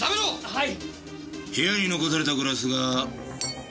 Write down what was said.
はい。